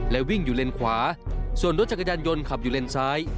และวิ่งอยู่เลนขวาส่วนรถจักรยานยนต์ขับอยู่เลนซ้าย